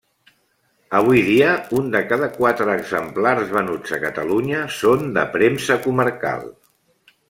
Avui dia, un de cada quatre exemplars venuts a Catalunya són de Premsa Comarcal.